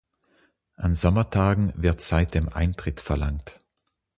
An "Sommertagen" wird seitdem Eintritt verlangt.